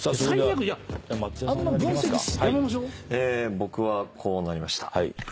僕はこうなりました。